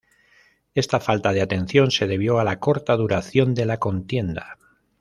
Esta falta de atención se debió a la corta duración de la contienda.